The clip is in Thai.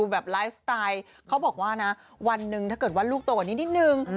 แบบไลฟ์สไตล์เขาบอกว่านะวันหนึ่งถ้าเกิดว่าลูกโตกว่านี้นิดนึง